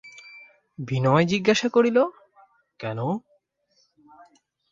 বিনয় জিজ্ঞাসা করিল, কেন?